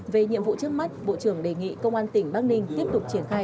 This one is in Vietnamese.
về nhiệm vụ trước mắt bộ trưởng đề nghị công an tỉnh bắc ninh tiếp tục triển khai